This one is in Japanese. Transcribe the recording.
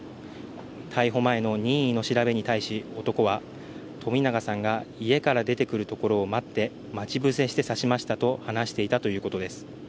逮捕前の任意の調べに対し男は冨永さんが出てくるところを待って待ち伏せして刺しましたと話していたということです。